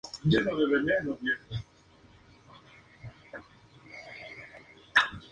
Chaikovski presentó repetidas protestas por la conducta de Poole, en vano.